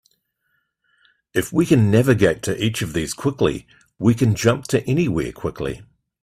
If we can navigate to each of these quickly, we can jump to anywhere quickly.